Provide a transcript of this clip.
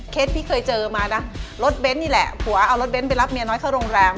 พี่เคยเจอมานะรถเบ้นนี่แหละผัวเอารถเน้นไปรับเมียน้อยเข้าโรงแรม